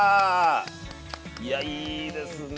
いやいいですね。